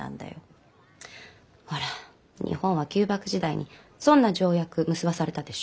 ほら日本は旧幕時代に損な条約結ばされたでしょ？